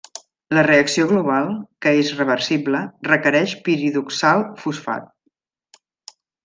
La reacció global, que és reversible, requereix piridoxal fosfat.